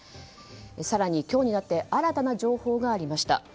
更に今日になって新たな情報がありました。